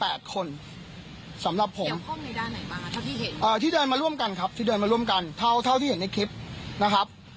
เอ่อ๘คนสำหรับผมเอ่อที่เดินมาร่วมกันครับที่เดินมาร่วมกันเท่าที่เห็นในคลิปนะครับ